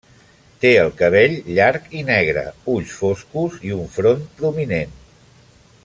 Té el cabell llarg i negre, ulls foscos, i un front prominent.